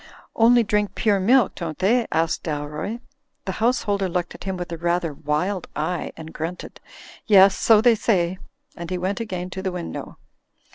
"Only drink pure milk, don't they?'* asked Dalroy. The householder looked at him with a rather wild eye and grunted. "Yes; so they say," and he went again to the win dow.